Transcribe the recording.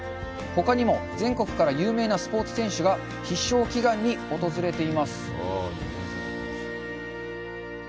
ほかにも、全国から有名なスポーツ選手が必勝祈願に訪れています。